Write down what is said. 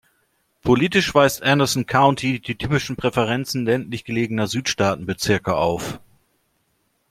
Politisch weist Anderson County die typischen Präferenzen ländlich gelegener Südstaaten-Bezirke auf.